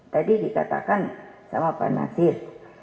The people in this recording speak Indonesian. tadi dikatakan sama pak nasir